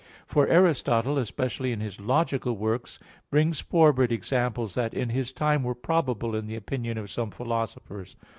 For Aristotle, especially in his logical works, brings forward examples that in his time were probable in the opinion of some philosophers.